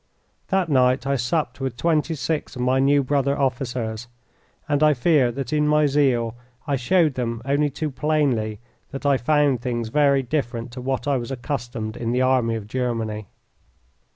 That night I supped with twenty six of my new brother officers, and I fear that in my zeal I showed them only too plainly that I found things very different to what I was accustomed in the army of Germany.